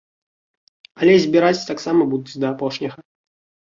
Але збіраць таксама будуць да апошняга.